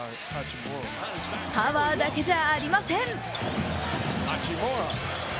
パワーだけじゃありません。